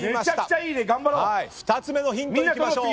２つ目のヒントいきましょう。